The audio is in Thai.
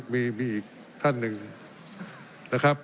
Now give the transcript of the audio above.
มีอีกท่านหนึ่งนะครับ